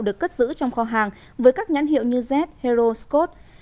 được cất giữ trong kho hàng với các nhãn hiệu như z hero scot